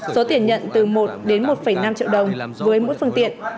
số tiền nhận từ một đến một năm triệu đồng với mỗi phương tiện